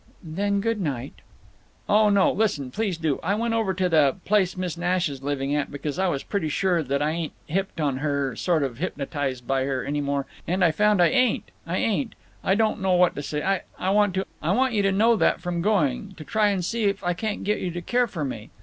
"Then good night." "Oh no—listen—please do! I went over to the place Miss Nash is living at, because I was pretty sure that I ain't hipped on her—sort of hypnotized by her—any more. And I found I ain't! I ain't! I don't know what to say, I want to—I want you to know that from going to try and see if I can't get you to care for me."